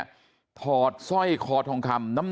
สวัสดีครับคุณผู้ชาย